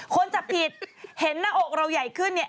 คนจับผิดเห็นหน้าอกเราใหญ่ขึ้นเนี่ย